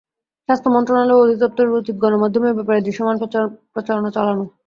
স্বাস্থ্য মন্ত্রণালয় ও অধিদপ্তরের উচিত গণমাধ্যমে এ ব্যাপারে দৃশ্যমান প্রচার প্রচারণা চালানো।